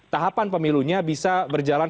tahapan pemilunya bisa berjalan